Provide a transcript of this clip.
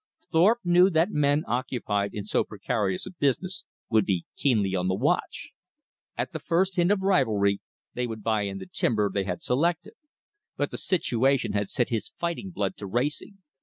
Thorpe knew that men occupied in so precarious a business would be keenly on the watch. At the first hint of rivalry, they would buy in the timber they had selected. But the situation had set his fighting blood to racing.